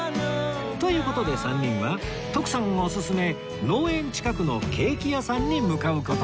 という事で３人は徳さんオススメ農園近くのケーキ屋さんに向かう事に！